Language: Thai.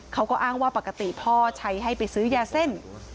เขาก็อ้างว่าปกติพ่อใช้ให้ไปซื้อยาเส้น